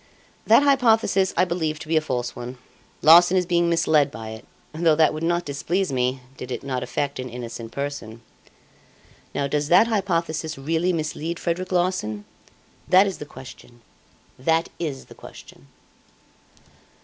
That hypothesis I believe to be a false one. Larsan is being misled by it, though that would not displease me, did it not affect an innocent person. Now does that hypothesis really mislead Frederic Larsan? That is the question that is the question."